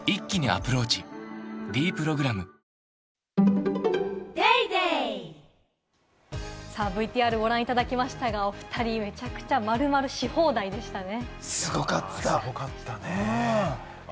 「ｄプログラム」ＶＴＲご覧いただきましたが、お２人、めちゃくちゃ〇〇し放題でしたね。